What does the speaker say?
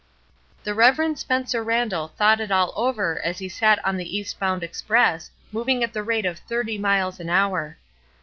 1 The Rev. Spencer Randall thought it all | over as he sat in the East bound express | moving at the rate of thirty miles an hour.